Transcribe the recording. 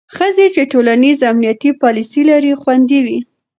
ښځې چې ټولنیز امنیتي پالیسۍ لري، خوندي وي.